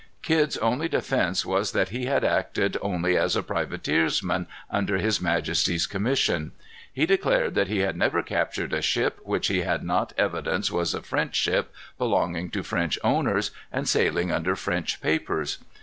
Kidd's only defence was that he had acted only as a privateersman, under his Majesty's commission. He declared that he had never captured a ship which he had not evidence was a French ship, belonging to French owners, and sailing under French papers.